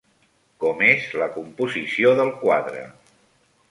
Com és la composició del quadre?